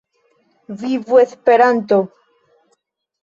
Vivu Esperanto!